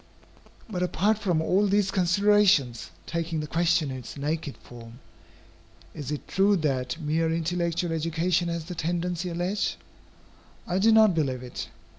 But apart from all these considerations, taking the question in its naked form, is it true that mere intellectual education has the tendency alleged? I do not believe it.